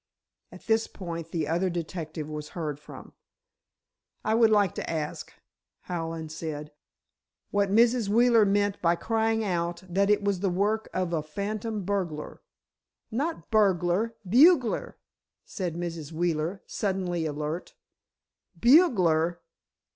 At this point the other detective was heard from. "I would like to ask," Hallen said, "what Mrs. Wheeler meant by crying out that it was the work of a 'phantom burglar'?" "Not burglar—bugler," said Mrs. Wheeler, suddenly alert. "Bugler!"